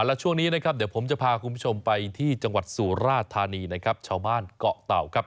และช่วงนี้นะครับเดี๋ยวผมจะพาคุณผู้ชมไปที่จังหวัดสุราธานีนะครับชาวบ้านเกาะเต่าครับ